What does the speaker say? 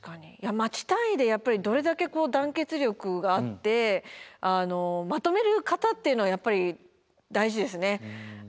町単位でやっぱりどれだけこう団結力があってまとめる方っていうのはやっぱり大事ですね。